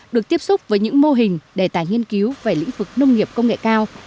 được tiếp xúc với những mô hình đề tài nghiên cứu về lĩnh vực nông nghiệp công nghệ cao